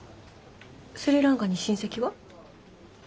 スリランカに親戚は？